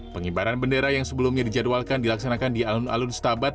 pengibaran bendera yang sebelumnya dijadwalkan dilaksanakan di alun alun setabat